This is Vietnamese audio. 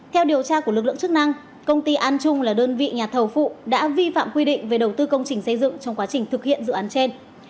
theo điều tra của lực lượng chức năng công ty an trung là đơn vị nhà thầu phụ đã vi phạm quy định về đầu tư công trình xây dựng trong quá trình thực hiện dự án trên